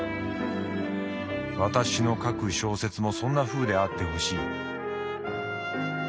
私の書く小説もそんなふうであってほしい」。